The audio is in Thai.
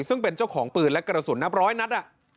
ซึ่งเป็นเจ้าของปืนและกระสุนนับร้อยนัด